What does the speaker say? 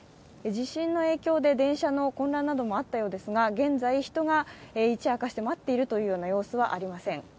地震の影響で電車の混乱などもあったようですが現在人が一夜明かして待っているというような様子はありません。